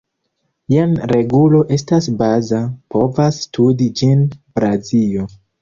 Jen regulo estas baza, povas studi ĝin Blazio.